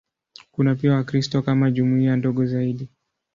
Kuna pia Wakristo kama jumuiya ndogo zaidi.